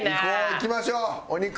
いきましょうお肉。